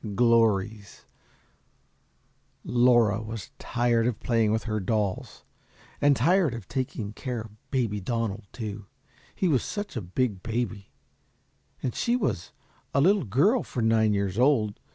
Glories Laura was tired of playing with her dolls, and tired of taking care of Baby Donald, too, he was such a big baby, and she was a little girl for nine years old.